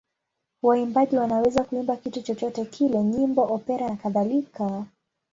Waimbaji wanaweza kuimba kitu chochote kile: nyimbo, opera nakadhalika.